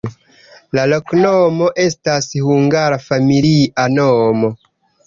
La loknomo estas hungara familia nomo.